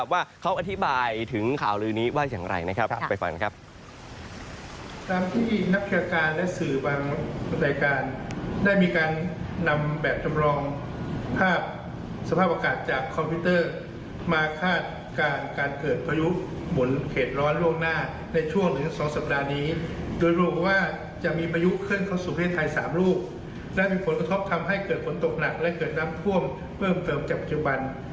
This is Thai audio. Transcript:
ว่าเขาอธิบายถึงข่าวลือนี้ว่าอย่างไรนะครับไปฟังครับ